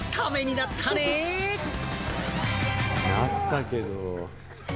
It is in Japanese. なったけれど。